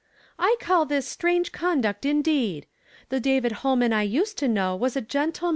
"I call this very strange ' onduct indeed ? T\w David Ilolman I used to know was a gentivi.